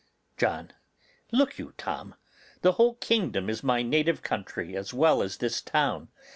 John. Look you, Tom, the whole kingdom is my native country as well as this town.